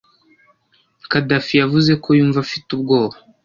Khadafi yavuze ko yumva afite ubwoba.